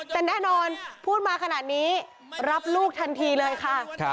แต่แน่นอนพูดมาขนาดนี้รับลูกทันทีเลยค่ะ